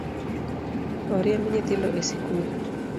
Oriemb nyithindo e sikul